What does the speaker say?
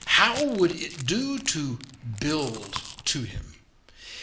How would it do to build to him?